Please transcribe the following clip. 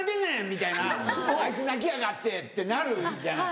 みたいな「あいつ泣きやがって」ってなるじゃん。